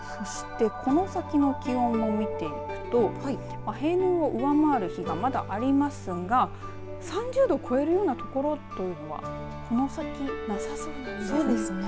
そしてこの先の気温を見ていくと平年を上回る日がまだありますが３０度を超えるようなところというのはこの先なさそうなんですね。